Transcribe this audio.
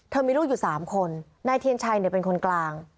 เธอมีลูกอยู่๓คนแม่เทียนชัยเนี่ยเป็นคนกลาง